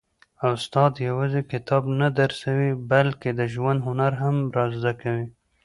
استاد یوازي کتاب نه درسوي، بلکي د ژوند هنر هم را زده کوي.